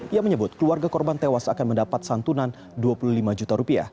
ia menyebut keluarga korban tewas akan mendapat santunan rp dua puluh lima juta